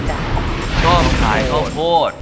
ชอบเที่ยวต่างจังหวัด